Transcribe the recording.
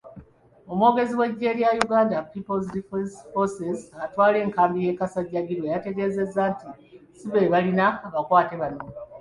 Omwogezi w'eggye lya Uganda People's Defence Force atwala enkambi y'e Kasijjagirwa, yategeezezza nti sibebalina abakwate bano.